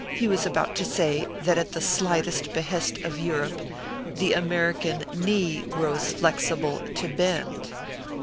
He was about to say, that at the slightest behest of Europe " the American knee grows flexible to bend."